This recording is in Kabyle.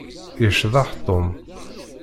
Yecḍeḥ Tom.